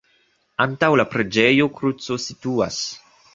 Antaŭ la preĝejo kruco situas.